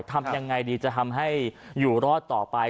ทำยังไงดีจะทำให้อยู่รอดต่อไป